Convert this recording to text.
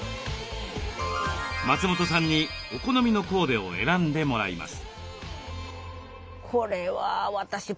松本さんにお好みのコーデを選んでもらいます。